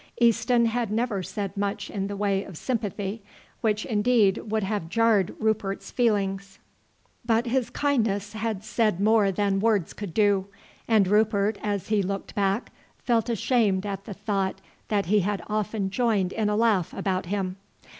Easton had never said much in the way of sympathy, which indeed would have jarred Rupert's feelings, but his kindness had said more than words could do; and Rupert, as he looked back, felt ashamed at the thought that he had often joined in a laugh about him.